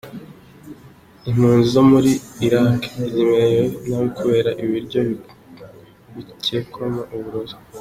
Impunzi zo muri Irak zimerewe nabi kubera ibiryo bikekwamo uburozi .